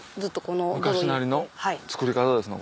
昔なりの作り方ですの？